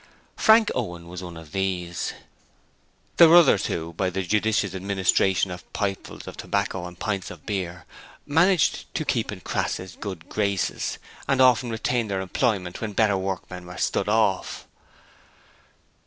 Frank Owen was one of these. There were others who by the judicious administration of pipefuls of tobacco and pints of beer, managed to keep in Crass's good graces and often retained their employment when better workmen were 'stood off'.